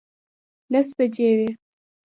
لس بجې وې.